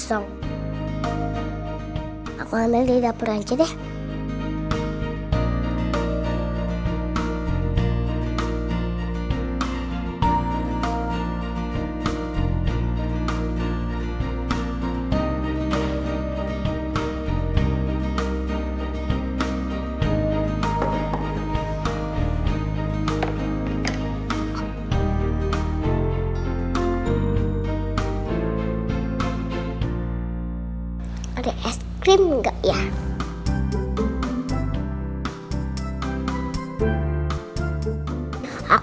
oleh melihat perancitnya